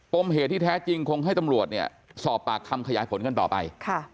มเหตุที่แท้จริงคงให้ตำรวจเนี่ยสอบปากคำขยายผลกันต่อไป